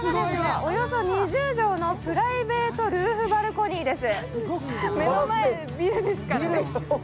およそ２０畳のプライベートルーフバルコニーです。